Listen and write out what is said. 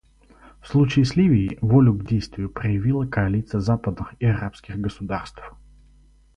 В случае с Ливией волю к действию проявила коалиция западных и арабских государств.